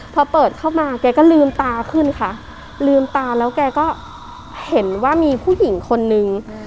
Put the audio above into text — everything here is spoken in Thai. พอเปิดเข้ามาแกก็ลืมตาขึ้นค่ะลืมตาแล้วแกก็เห็นว่ามีผู้หญิงคนนึง